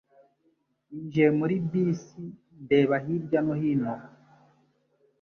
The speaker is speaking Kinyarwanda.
Ninjiye muri bisi ndeba hirya no hino.